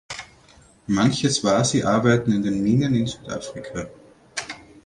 Manche Swazi arbeiten in den Minen in Südafrika.